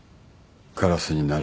カラスになれ。